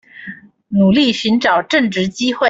努力尋找正職機會